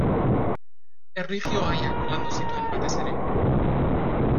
Erlijio-gaiak landu zituen, batez ere.